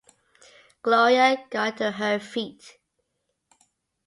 Gloria got to her feet.